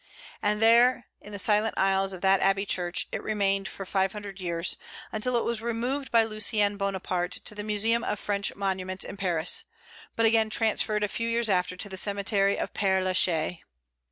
And there, in the silent aisles of that abbey church, it remained for five hundred years, until it was removed by Lucien Bonaparte to the Museum of French Monuments in Paris, but again transferred, a few years after, to the cemetery of Père la Chaise.